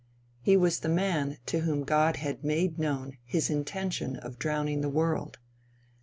He was the man to whom God had made known his intention of drowning the world.